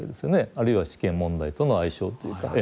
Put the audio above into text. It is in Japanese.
あるいは試験問題との相性というか縁もありますし。